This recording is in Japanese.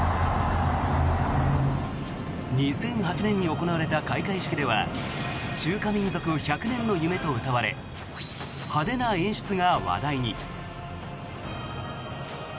２００８年に行われた開会式では「中華民族１００年の夢」とうたわれ派手な演出が話題に。